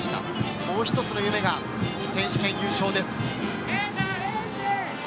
もう一つの夢が選手権優勝です。